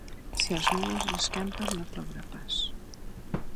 Si els núvols escampen no plourà pas.